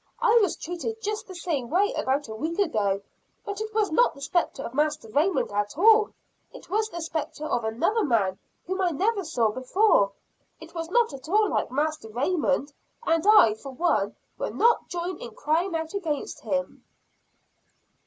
I was treated just the same way about a week ago; but it was not the spectre of Master Raymond at all it was the spectre of another man whom I never saw before. It was not at all like Master Raymond; and I, for one, will not join in crying out against him."